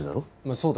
そうだ